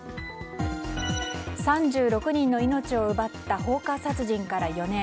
３６人の命を奪った放火殺人から４年。